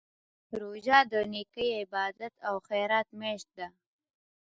روژه د نېکۍ، عبادت او خیرات میاشت ده.